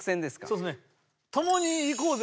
そうですね。